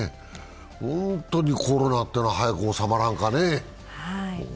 本当にコロナっていうのは早く収まらんかねぇ。